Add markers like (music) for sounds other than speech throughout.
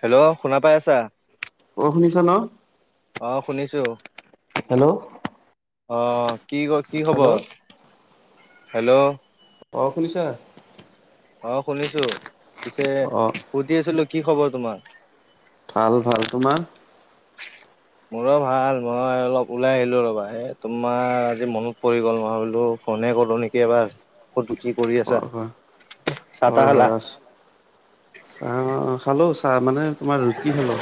Hello শুনা পাই আছা? অ শুনিছা ন? আহ শুনিছো। হেল্ল' অ কি ক কি হেল্ল' খবৰ? হেল্ল' অ শুনিছা? অ শুনিছো পিছে অ সুধি আছিলো কি খবৰ তোমাৰ? ভাল ভাল তোমাৰ? মোৰো ভাল মই অলপ ওলাই আহিলো ৰবা এই তোমাৰ আজি মনত পৰি গ'ল নহয় বোলো ফ'ন এই কৰো নেকি এবাৰ ক' কি কৰি আছা হয় হয় চাহ- হয় তাহ খালা? অ খালো চাহ মানে তোমাৰ ৰুটি খালো।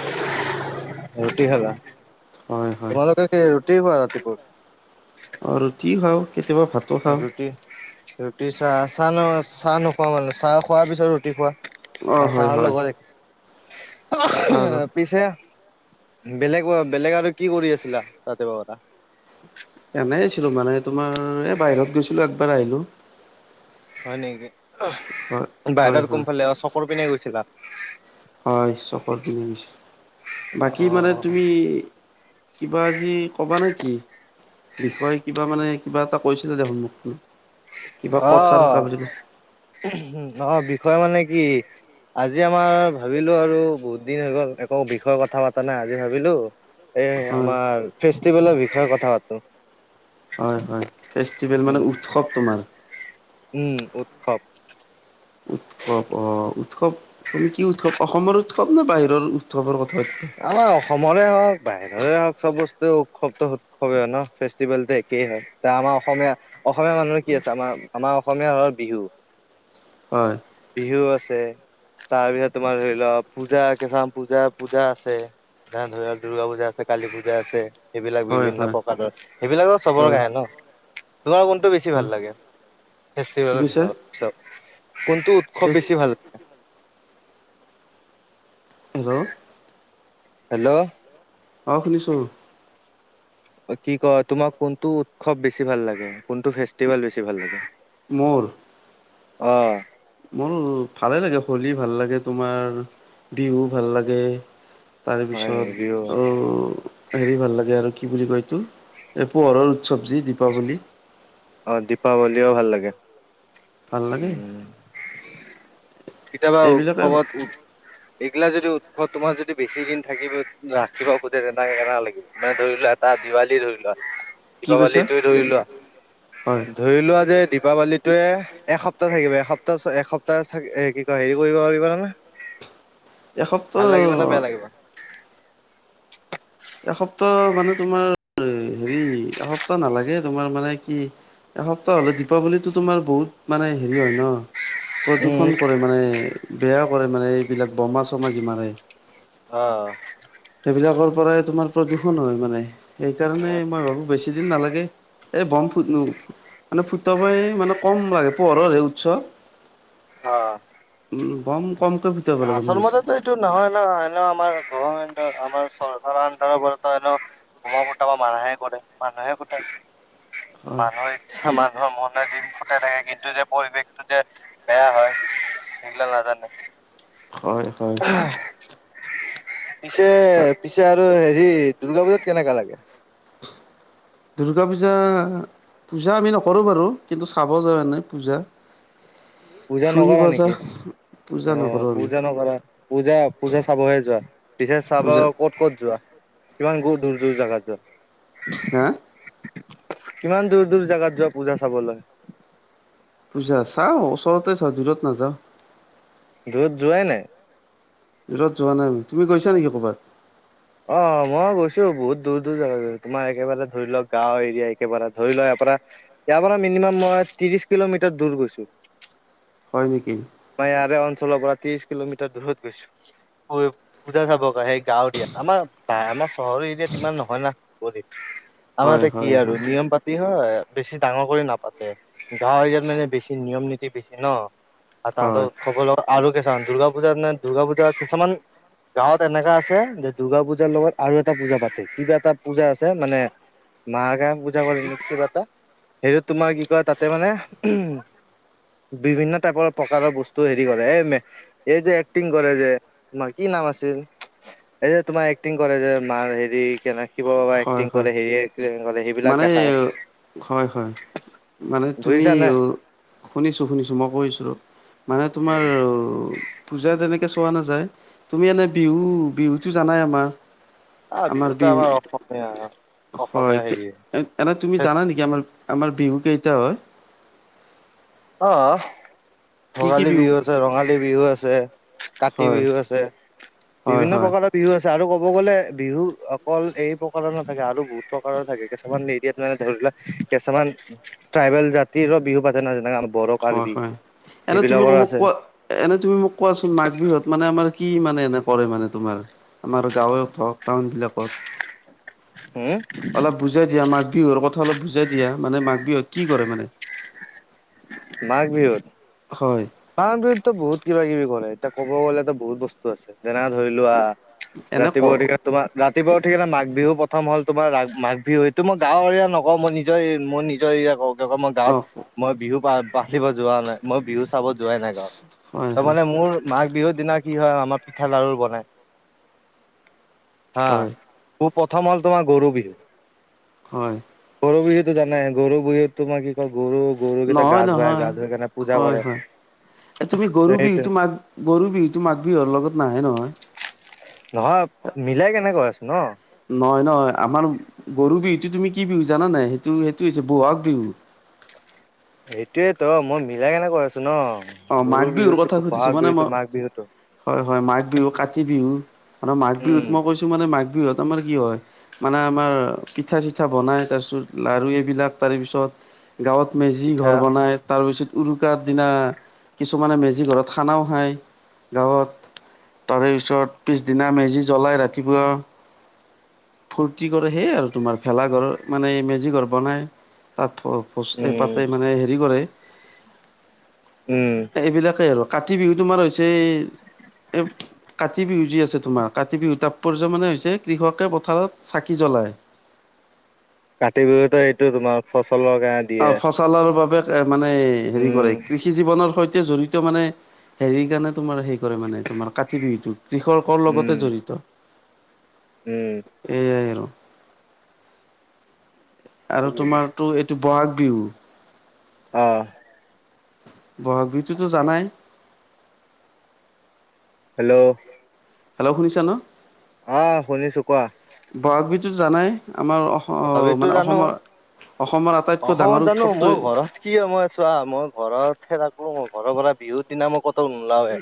ৰুটি খালা হয় হয়। তোমালোকে কি ৰুটি খোৱা ৰাতিপুৱা? ৰুটি খাওঁ, কেতিয়াবা ভাতো খাওঁ। ৰুটি ৰুটি চাহ চাহ চাহ নোখোৱা মানে চাহ খোৱাৰ পিছত ৰুটি অ খোৱা? হয় চাহৰ হয় লগত চাহ আৰু পিছে বেলেগ বেলেগ আৰু কি কৰি আছিলা ৰাতিপুৱা পৰা এনেই আছিলো মানে তোমাৰ এ বাহিৰত গৈছিলো, একবাৰ আহিলো। হয় নেকি হয় হয় বাহিৰত হয় কোনফালে চকৰ পিনে গৈছিলা? হয় চকৰ পিনে গৈছিলো। অ বাকী মানে তুমি কিবা আজি ক'বা না কি? বিষয়ে কিবা মানে কিবা এটা কৈছিলে দেখোন মোক কিবা কথা আহ থকা বুলি আহ বিষয় মানে কি আজি আমাৰ ভাবিলো আৰু বহুত দিন হৈ গল একো বিষয় কথা পতা নাই আজি ভাবিলো এ হয় আমাৰ ফেষ্টিভেলৰ বিষয়ে কথা পাতো। হয় হয় ফেষ্টিভেল মানে উম উৎসৱ তোমাৰ? উম উৎসৱ। উৎসৱ অ উৎসৱ তুমি কি উৎসৱ অসমৰ উৎসৱ নে বাহিৰৰ উৎসৱৰ কথা সুধবা আমাৰ অসমৰে হওক, বাহিৰৰে হওক চব বস্তু উৎসৱ উৎসৱে ন ফেষ্টিভেলটো একেই হয় এ আমাৰ অসমীয়া অসমীয়া মানুহৰ কি আছে আমাৰ আমাৰ অসমীয়াৰ বিহু, হয়। বিহু আছে, তাৰপিছত তোমাৰ ধৰি ল পূজা কেচাম পূজা পূজা আছে, আছে ধ ধৰিলওক দূৰ্গা পূজা আছে, কালী পূজা আছে এইবিলাক হয় বিভিন্ন হয় প্ৰকাৰৰ সেইবিলাকৰ চবৰ হয় কাহে ন তোমাৰ কোনটো বেছি হয় ভাল লাগে? কি ফেষ্টিভেলৰ কৈছা ভিতৰত চব কোনটো উৎসৱ ফেষ্ট বেছি ভাল? হেল্লো। হেল্লো'। অ শুনিছো। কি কয় তোমাক কোনটো উৎসৱ বেছি ভাল লাগে? কোনটো ফেষ্টিভেল বেছি ভাল লাগে? মোৰ অ। মোৰো ভালে লাগে হোলী ভাল লাগে তোমাৰ বিহু ভাল লাগে। তাৰ হয় নেকি বিহু পিছত অ হেৰি ভাল লাগে আৰু কি বুলি কয়তো এই পোহৰৰ উৎসৱ যি দীপাৱলী। অ দীপাৱলীও ভাল লাগে ভাল লাগে উম। কেতিয়াবা এইবিলাকে উৎসৱত কেতিয়াবা যদি উৎসৱ তোমাৰ যদি বেছি দিন থাকিব ৰাখিবা খুজে তেনেকে কে লাগিব মানে ধৰি লোৱা এটা- দীপাৱলী ধৰি লোৱা কি কৈছা দীপাৱলীটো ধৰি লোৱা হয় ধৰি লোৱা যে দীপাৱলী য়ে এসপ্তাহ থাকিব এসপ্তাহ এসপ্তাহ এ কি কয় হেৰি কৰিব (unintelligible) এক ভাল সপ্তাহ লাগিব নে বেয়া লাগিব একসপ্তাহ মানে তোমাৰ হেৰি একসপ্তাহ নালাগে তোমাৰ মানে কি একসপ্তাহ হলে দীপাৱলীতো তোমাৰ বহুত মানে হেৰি হয় ন। উম, প্ৰদূষন কৰে মানে বেয়া কৰে মানে এইবিলাক বোমা চমা যি মাৰে। অ। সেইবিলাকৰ পৰাই তোমাৰ প্ৰদূষণ হয় মানে সেইকাৰণে মই ভাবো বেছি দিন নালাগে। এই বম ফু মানে ফুট প মানে কম লাগে পোহৰৰ হে উৎসৱ। অ। বম। ফুটাব লাগে মোৰ আচল হিচাপত মতেতো এইটো নহয় ন এনে আমাৰ গভমেণ্টৰ আমাৰ চৰকাৰৰ আণ্ডাৰৰ পৰা টো এনেও বোম ফুটাব মানা হে কৰে মানুহে ফুটাই। হয় মানুহৰ ইচ্ছা মানুহৰ মনে দিন ফুটাই থাকে কিন্তু যে পৰিৱেশটো যে বেয়া হয়। ই গিলা নাজানে। হয় হয়। পিছে পিছে আৰু হেৰি দুৰ্গা পূজাত কেনেকা লাগে? (inaudible) দুৰ্গা পূজা পূজা আমি নকৰো বাৰু কিন্তু চাব যাও এনেই পূজা। পূজা ফুৰিব নকৰা যা নেকি? পূজা অ নকৰোঁ আমি পূজা নকৰা পূজা পূজা চাবহে যোৱা! পিছে চাব পূজা ক'ত ক'ত যোৱা? কিমান দূ দূৰ দূৰ জাগাত হা যোৱা? কিমান দূৰ দূৰ জাগাত যোৱা পূজা চাবলে? পূজা চাওঁ ওচৰতে চাওঁ দূৰত নাযাওঁ দূৰত যোৱাই নাই দূৰত যোৱা নাই আমি তুমি গৈছা নেকি কবাত। অ মই গৈছো বহুত দূৰ দূৰ জাগাত তোমাৰ একেবাৰে ধৰি লওক গাঁও এৰিয়া একেবাৰে ধৰি লোৱা পৰা ইয়াৰ পৰা মিনিমাম মই ত্ৰিশ কিলোমিটাৰ দূৰ গৈছো হয় নেকি মই ইয়াৰে অঞ্চলৰ পৰা ত্ৰিশ কিলোমিটাৰ দূৰত গৈছো। পূজা চাব সেই গাঁৱ দিয়াত আমাৰ আমাৰ চহৰ এৰিয়াত ইমান নহয় না ফুৰ্তি আমাৰ হয় এয়া কি হয় আৰু হয় নিয়ম পাতি হয় বেছি ডাঙৰ কৰি নাপাতে গাঁৱ এৰিয়াত মানে বেছি নিয়ম নীতি বেছি ন আৰু তাহাঁত হয় উৎসব লগ আৰু কিছুমান দুৰ্গা পূজাে দুৰ্গা পূজা কিছুমান। গাঁৱত এনেককা আছে যে দূৰ্গা পূজাৰ লগত আৰু এটা পূজা পাতে কিবা এটা পূজা আছে মানে মা গা পূজা পাতে নে কিবা এটা সেইটো তোমাৰ কি কয় তাতে মানে উ বিভিন্ন টাইপৰ প্ৰকাৰৰ বস্তু হেৰি কৰে এই এই যে এক্টিং কৰে যে তোমাৰ কি নাম আছিল এই যে তোমাৰ এক্টিং কৰে যে মাৰ হেৰি কেনে। শিৱ বাবা হয় এক্টিং হয় কৰে হেৰি এক্টিং কৰে সেইবিলাক মানে দেখায়। হয় হয় মানে তুমি অ। শুনিছোঁ শুনিছোঁ মই কৈছো মানে তোমাৰ পূজা তেনেকে চোৱা নাযায় তুমি এনে বিহু বিহুতো জানাই আমাৰ। অ বিহুত আমাৰ অসমীয়া হয় অসমীয়া হেৰি এনে তুমি ফেচ- জানা নেকি আমাৰ আমাৰ বিহু কেইটা হয়? অ কি কি ভোগালী বিহু আছে, ৰঙালী বিহু আছে, কাতি হয় বিহু আছে, হয় বিভিন্ন হয় প্ৰকাৰৰ বিহু আছে আৰু কব ক'ব গ'লে বিহু অকল এই প্ৰকাৰৰ নাথাকে আৰু বহুত প্ৰকাৰৰ থাকে কিছুমান এৰিয়াত মানে ধৰি লোৱা কিছুমান ট্ৰাইবেল জাতিৰো বিহু পাতে নহয় যেনেকে আমাৰ বড হয় কাৰ্বি। হয় এনে তুমি সেইবিলাকৰো মোক আছে কোৱা এনে তুমি মোক কোৱাচোন মাঘ বিহুত মানে আমাৰ কি মানে কৰে মানে তোমাৰ আমাৰ গাঁৱে হওক টাউন বিলাকত? হম অলপ বুজাই দিয়া মাঘ বিহুৰ কথা অলপ বুজাই দিয়া মানে মাঘ বিহুত কি কৰে মানে মাঘ বিহুত। হয় মাহ বিহুতো বহুত কিবা কিবি কৰে এতিয়া ক'ব গলেতো বহুত বস্তু আছে যেনে ধৰি লোৱা এনে ক ৰাতিপুৱাউঠি তোমাৰ ৰা ৰাতিপুৱা উঠিকিনে মাঘ বিহু প্ৰথম হ'ল তোমাৰ ৰা মাঘ বিহু সেইটো মই গাঁৱৰ এৰিয়া নকওঁ মই নিজৰ মই নিজৰ এৰিয়া কওঁ। মই অ গাঁৱত মই বিহু বাঢ়িব যোৱা নাই মই বিহু চাব। যোৱাই নাই হয় গাঁৱত ত হয় মানে মোৰ মাঘ বিহুত দিনা কি হয় আমাৰ পিঠা লাড়ু বনাই হা হয় খুব প্ৰথম হ'ল তোমাৰ গৰু বিহু। হয়। গৰু বিহুটো জানাই গৰু বিহুত তো মই কি ক গৰু গৰুকেইটা গা নহয় ধুৱাই নহয় গা ধুৱাই কিনে পূজা হয় কৰে। হয় এ তুমি গৰু সেইটো বিহুটো মাঘ গৰু বিহুটো মাঘ বিহুৰ লগত নাহে নহয়। নহয় মিলাই কেনেকৈ আছোঁ ন। নহয় নহয় আমাৰ গৰু বিহুতো তুমি কি বিহু জানা নাই সেইটো সেইটো হৈছে বহাগ বিহু। (inaudible) সেইটোৱেই তো মই মিলাই কিনে কৈ আছো ন। অ গৰু মাঘ বিহুৰ বিহুতো কথা সুধিছো বহাগ মানে বিহুতো মই মাঘ বিহুতো হয় হয় মাঘ বিহু কাতি বিহু মান মাঘ উম বিহুত মই কৈছো মানে মাঘ বিহুত আমাৰ কি হয় মানে আমাৰ পিঠা চিঠা বনাই তাৰপিছত লাডু এইবিলাক তাৰ পিছত গাঁৱত মেজি পিঠা ঘৰ বনাই তাৰ পিছত উৰুকাৰাত দিনা কিছুমানে মেজি ঘৰত খানাও খায় গাঁৱত। তাৰে পিছত পিছদিনা মেজি জ্বলাই ৰাতিপুৱা। ফূৰ্তি কৰে সেই আৰু তোমাৰ ভেলা ঘৰ মানে মেজি ঘৰ বনাই তাত এই উম, পাতে মানে হেৰি কৰে উম, এইবিলাকেই আৰু কাতি বিহু তোমাৰ হৈছে এ কাতি বিহু যি আছে তোমাৰ কাতি বিহু তাৎপৰ্য মানে হৈছে কৃষকে পথাৰত চাকি জ্বলায়। কাতি বিহুতো এইটো তোমাৰ ফচলৰ (unintelligible) আহ দিয়ে। ফচলৰ বাবে এ মানে হেৰি উম, কৰে কৃষি জীৱনৰ সৈতে তে জড়িত মানে হেৰি কাৰণে তোমাৰ হে কৰে মানে তোমাৰ কাতি বিহুতোক। কৃষকৰ উম, লগতে জড়িত। উম, এয়াই আৰু। আৰু তোমাৰতটো এইটো বহাগ বিহু অহ বহাগ বিহুতো জানাই। হেল্ল'। হেল্ল' শুনিছা ন? অহ শুনিছোঁ কোৱা। তুমি ত জানাই আমাৰ অম ভাবিতো মানে জানো অসমৰ। অসমৰ আটাইতকৈ অসমত ডাঙৰ জানোঁ উৎসৱটো মোৰ ঘৰত কি হয় মই চোৱা মই ঘৰতহে থাকোঁ ঘৰৰ পৰা বিহুৰ দিনা মই কতো নোলাওৱে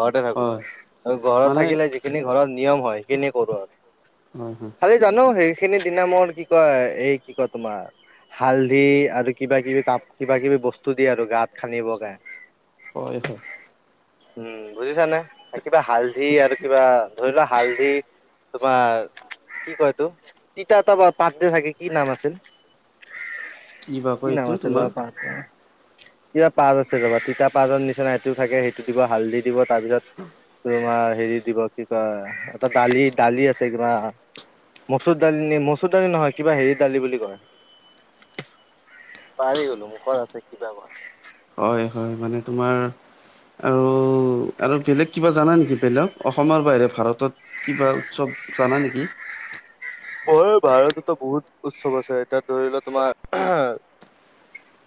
ঘৰতে থাকোঁ। হয় আৰু ঘৰত মানে থাকিলে যিখিনি ঘৰত নিয়ম হ'য় সেইখিনিয়ে কৰোঁ আৰু। হয় হয় খালি জানোঁ সেইখিনি দিনা মোৰ কি কয় এই কি কয় তোমাৰ। হালধি আৰু কিবা কিবি তাপ কিবা কিবি বস্তু দিয়ে আৰু গাত সানিব কাৰণে। হয় হয়। উম বুজিছানে কিবা হালধি আৰু কিবা ধৰি লোৱা হালধি। তোমাৰ কি কয় এইতো তিতা এটা পাত যে থাকে কি নাম আছিল? বা কয় কি এইটো নাম আছিল তোমাৰ পাতটো? কিবা পাত আছে চাবা তিতা পাতৰ নিচিনা সেইটো থাকে সেইটো দিব হালধি। দিব তাৰপিছত তোমাৰ হেৰি দিব কি কয় এটা দালি দালি আছে কিবা মচুৰ দালি নেমু। মচুৰ দালি নহয় কিবা হেৰি দালি বুলি কয়। পাহৰি গ'লো মুখত আছে কিবা হ'য়। হয় হয় মানে তোমাৰ আৰু আৰু বেলেগ কিবা জানা নেকি? বেলেগ অসমৰ বাহিৰে ভাৰতত কিবা উৎসৱ জানা নেকি? বয় ভাৰততো বহুত উৎসৱ আছে এতিয়া ধৰি লোৱা তোমাৰ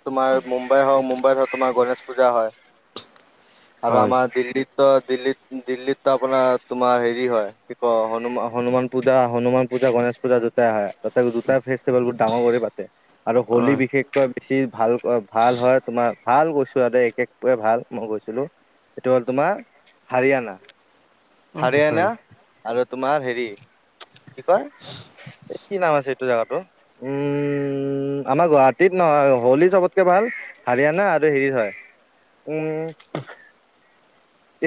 তোমাৰ মুম্বাই হওঁক মুম্বাইত তোমাৰ গণেশ পূজা হয়। আৰু হয় আমাৰ দিল্লীত কি কয় দিল্লীত দিল্লীত ত আপোনাৰ তোমাৰ হেৰি হয়, কি কয় হনুমান হনুমান পূজা হনুমান। হনুমান পূজা, গণেশ পূজা দুটাই হ'য়। তাতে দুটাই ফেষ্টিভেল বহুত ডাঙৰ কৰি পাতে আৰু হোলী হয় বিশেষকৈ বেছি। ভাল ভাল হ'য় তোমাৰ ভাল কৈছোঁ আও দেই একেটোৱে ভাল মই গৈছিলোঁ। এইটো হ'ল তোমাৰ হাৰিয়ানা। হয় হাৰিয়ানা হয় আৰু তোমাৰ হেৰি কি কয় এই কি নাম আছে এইটো জেগাতো উম আমাৰ গুৱাহাটীত নহয় হলী চবতকে ভাল হাৰিয়ানা আৰু হেৰি হয় উম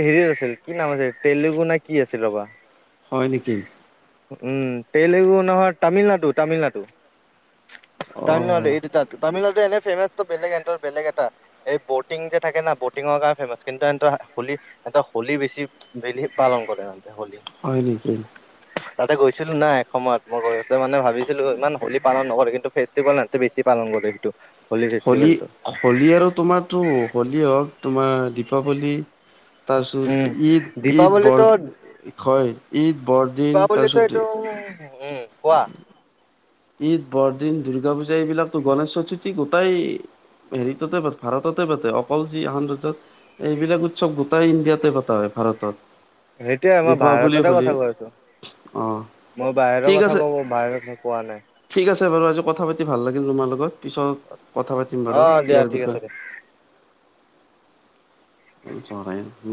হেৰি‌ আছিল কি নাম আছিল তেলেগু না কি আছিল ৰবা। হয় নেকি? উম তেলেগু নহয় তামিলনাডু তামিলনাডু। অ তামিলনাডু এইটো তাত তামিলনাডু এনে ফেমাচটো বেলেগ এনটাৰ বেলেগ এটা এই বটিং যে থাকে না বটিংত। পুৰা ফেমাচ কিন্তু সিহঁতৰ হোলী এটা হলী বেছি বেলি পালন কৰে সিহঁতে‌ হলী। হয় নেকি? তাতে গৈছিলোঁ না এক সময়ত, মই ঘৰতে মানে ভাবিছিলোঁ ইমান হলী পালন নকৰে কিন্তু ফেষ্টিভেল ইহঁতে বেছি পালন কৰে। মডেলটো। হলী -হোলী আৰু তোমাৰটো হোলী হওঁক তোমাৰ দীপাৱলী। তাৰ উম পিছত ঈদ- ঈদ বৰ দীপাৱলীতো হয় ঈদ। বৰদিন পোৱাবলে ত তাৰপিছত এইটো উম কোৱা। ঈদ, বৰদিন, দূৰ্গা পূজা, এইবিলাকতো গণেশ চতুৰ্থী গোটাই। হেৰিততে পাতে ভাৰততে পাতে অকল যি আন দেশত এইবিলাক উৎসৱ গোটেই ইণ্ডিয়াতে পতা হ'য়। ভাৰতত। সেইটোয়ে মই দীপাৱলী, ভাৰতৰে হোলী কথা কৈ আছোঁ। অ মই বাহিৰৰ ঠিক কথা আছে কব বাহিৰত কথা। ঠিক আছে বাৰু আজি কথা পাতি ভাল লাগিল তোমাৰ লগত। পিছত কথা পাতিম অ বাৰু দিয়া ইয়াৰ ঠিক আছে বিষয়ে। দিয়া অ থৰে।